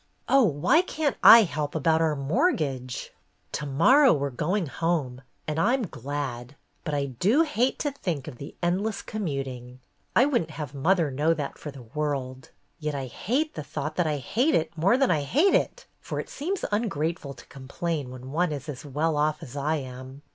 Oh, why can't I help about our mortgage ! "To morrow we 're going home, and I 'm glad. But I do hate to think of the endless commuting — I would n't have mother know that for the world I Yet I hate the thought that I hate it more than I hate it, for it seems ungrateful to complain when one is as well off as I am.